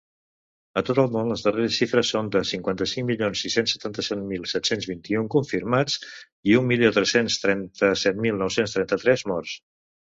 A tot el món, les darreres xifres són de cinquanta-cinc milions sis-cents setanta mil set-cents vint-i-un confirmats i un milió tres-cents trenta-set mil nou-cents trenta-tres morts.